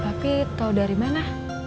papi tau dari mana